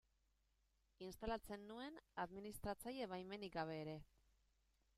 Instalatzen nuen administratzaile baimenik gabe ere.